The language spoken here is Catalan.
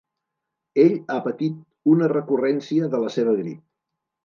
Ell ha patit una recurrència de la seva grip.